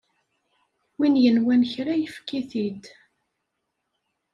Win yenwan kra yefk-it-id!